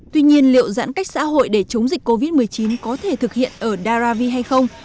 tuy nhiên liệu giãn cách xã hội để chống dịch covid một mươi chín có thể thực hiện ở daravi hay không